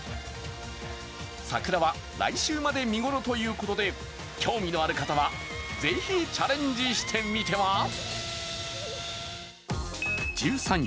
桜は来週まで見頃ということで興味のある方はぜひチャレンジしてみては？